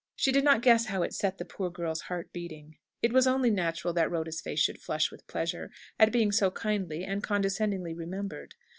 She did not guess how it set the poor girl's heart beating. It was only natural that Rhoda's face should flush with pleasure at being so kindly and condescendingly remembered.